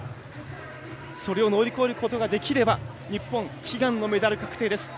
それを乗り越えることができれば日本、悲願のメダル確定です。